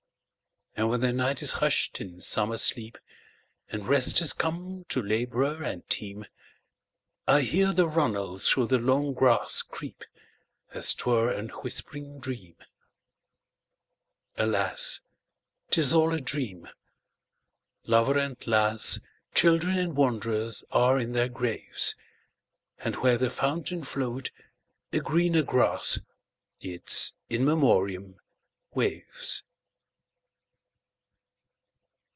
And when the night is hush'd in summer sleep, And rest has come to laborer and team,I hear the runnel through the long grass creep, As 't were a whispering dream. Alas! 't is all a dream. Lover and lass, Children and wanderers, are in their graves; And where the fountain flow'd a greener grass—Its In Memoriam—waves.